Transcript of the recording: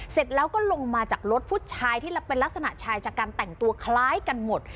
เสร็จแล้วก็ลงมาจากรถผู้ชายที่เป็นลักษณะชายจากการแต่งตัวคล้ายกันหมด